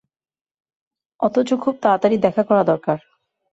অথচ খুব তাড়াতাড়ি দেখা করা দরকার!